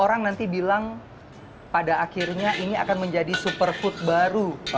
orang nanti bilang pada akhirnya ini akan menjadi superfood baru